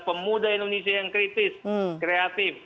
pemuda indonesia yang kritis kreatif